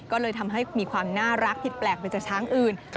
ก็เลยทำให้มีความน่ารักผิดแปลกไปจากช้างอื่น